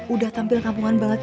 udah tampil kampungan banget